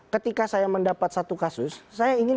ketika saya mendapat satu kasus saya ingin